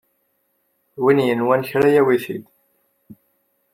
Win yenwan kra yawi-t-id!